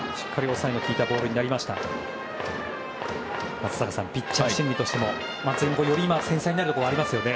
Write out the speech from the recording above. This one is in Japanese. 松坂さんピッチャー心理としてもより繊細になるところはありますね。